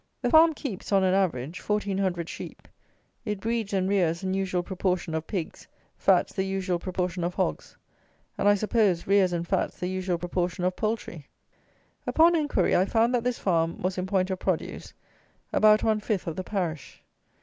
The farm keeps, on an average, 1400 sheep, it breeds and rears an usual proportion of pigs, fats the usual proportion of hogs, and, I suppose, rears and fats the usual proportion of poultry. Upon inquiry, I found that this farm was, in point of produce, about one fifth of the parish.